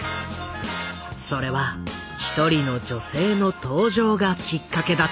それは一人の女性の登場がきっかけだった。